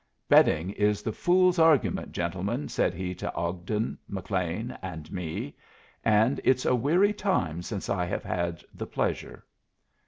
"Betting is the fool's argument, gentlemen," said he to Ogden, McLean, and me, "and it's a weary time since I have had the pleasure."